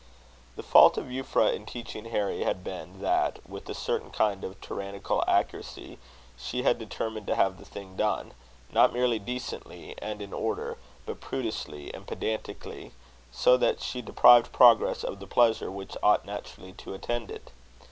The fault of Euphra in teaching Harry, had been that, with a certain kind of tyrannical accuracy, she had determined to have the thing done not merely decently and in order, but prudishly and pedantically; so that she deprived progress of the pleasure which ought naturally to attend it.